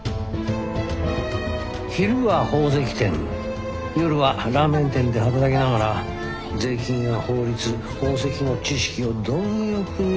昼は宝石店夜はラーメン店で働きながら税金や法律宝石の知識を貪欲に取り入れた。